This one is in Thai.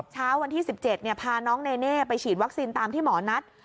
เช้าวันที่๑๗พาน้องเนเน่ไปฉีดวัคซีนตามที่หมอนัด